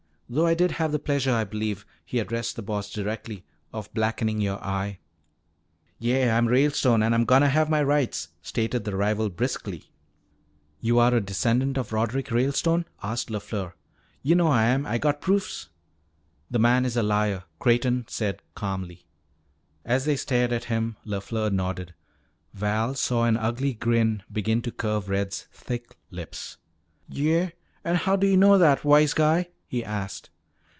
Though I did have the pleasure, I believe," he addressed the Boss directly, "of blackening your eye." "Yeah, I'm Ralestone, and I'm gonna have my rights," stated the rival briskly. "You are a descendant of Roderick Ralestone?" asked LeFleur. "Yuh know I am. I got proofs!" "The man is a liar," Creighton said calmly. As they stared at him, LeFleur nodded. Val saw an ugly grin begin to curve Red's thick lips. "Yeah? An how do yuh know that, wise guy?" he asked.